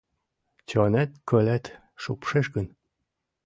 Чонет-кылет шупшеш гын